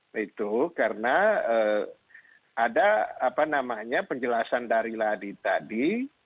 begitu karena ada apa namanya penjelasan dari ladi tadi